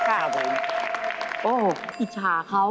โอ้โฮอิจฉาเขา